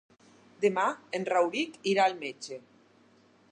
Demà en Rauric irà al metge.